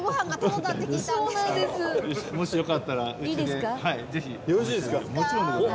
もしよかったらうちで。